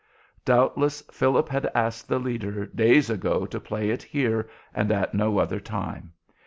Doubtless, Philip had asked the leader days ago to play it here and at no other time.